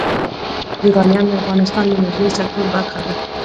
یورانیم د افغانستان د انرژۍ سکتور برخه ده.